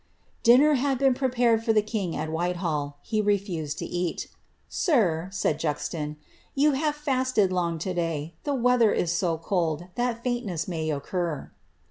'' id been prepared for the king at Whitehall ; he refused to * said Juxon, ^ you have fasted long to day, the weather is t faintness may occur."